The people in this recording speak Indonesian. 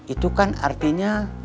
itu kan artinya